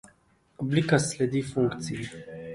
Oblika sledi funkciji.